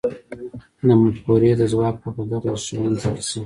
د مفکورې د ځواک په هکله دغه هیښوونکې کیسه ده